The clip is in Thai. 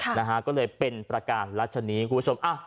นะฮะก็เลยเป็นประการรัชนีคุณผู้ชมอ่ะ